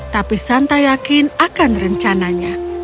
tapi santa yakin akan rencananya